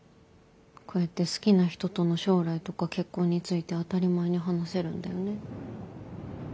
こうやって好きな人との将来とか結婚について当たり前に話せるんだよね。